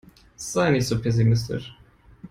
Sei nicht so pessimistisch.